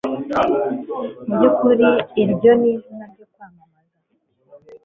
mu byukuri iryo ni izina ryo kwamamaza